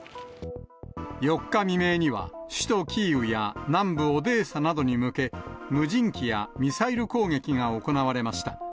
４日未明には、首都キーウや南部オデーサなどに向け、無人機やミサイル攻撃が行われました。